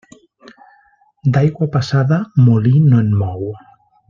D'aigua passada, molí no en mou.